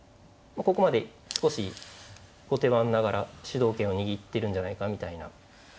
ここまで少し後手番ながら主導権を握ってるんじゃないかみたいな。